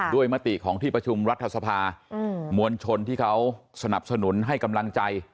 มติของที่ประชุมรัฐสภามวลชนที่เขาสนับสนุนให้กำลังใจ